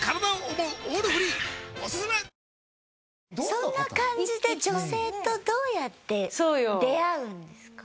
そんな感じで女性とどうやって出会うんですか？